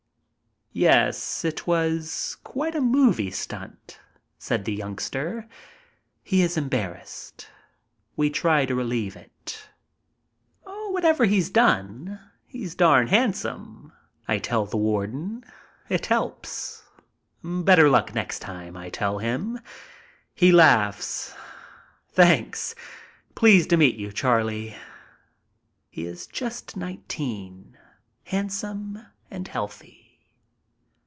"Yes, it was quite a movie stunt," said the youngster. He is embarrassed. We try to relieve it. "Whatever he's done, he's darn handsome," I tell the warden. It helps. "Better luck next time," I tell him. He laughs. "Thanks. Pleased to meet you, Charlie." He is just nineteen, handsome and healthy.